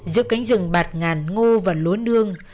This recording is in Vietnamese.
giữa cánh rừng bạt ngàn ngô và lúa nương